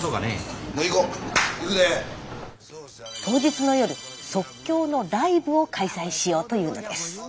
当日の夜即興のライブを開催しようというのです。